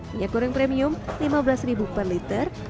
minyak goreng premium rp lima belas per liter